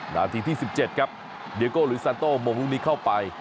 นาทีที่๑๗ครับเดียโก้ลุยซานโต้มงลูกนี้เข้าไป